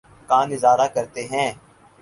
کا نظارہ کرتے ہیں